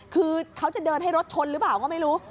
คือเขาจะเดินให้รถชนหรือเปล่าก็ไม่รู้